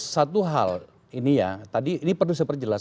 satu hal ini ya tadi ini perlu saya perjelas